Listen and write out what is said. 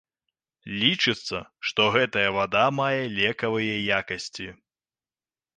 Лічыцца, што гэтая вада мае лекавыя якасці.